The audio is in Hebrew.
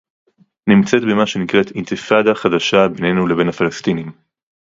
נמצאת במה שנקרא אינתיפאדה חדשה בינינו לבין הפלסטינים